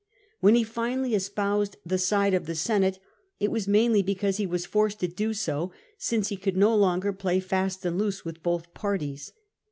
When he finally espoused the side of the Senate, it was mainly because he was forced to do so, since he could no longer play fast and loose with both parties.